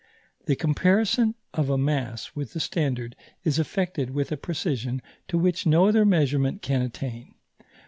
The comparison of a mass with the standard is effected with a precision to which no other measurement can attain.